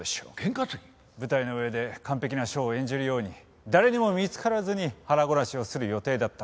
舞台の上で完璧なショーを演じるように誰にも見つからずに腹ごなしをする予定だった。